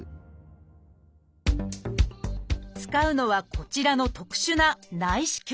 使うのはこちらの特殊な内視鏡